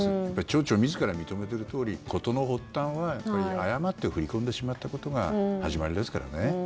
町長自ら認めているとおり事の発端は誤って振り込んでしまったことが始まりですからね。